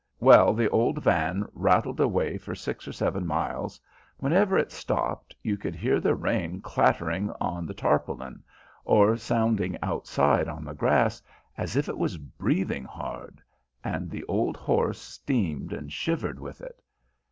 Well, the old van rattled away for six or seven miles; whenever it stopped you could hear the rain clattering on the tarpaulin, or sounding outside on the grass as if it was breathing hard, and the old horse steamed and shivered with it.